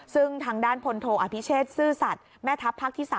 ซึ่งทางด้านพลโทอภิเชษซื่อสัตว์แม่ทัพภาคที่๓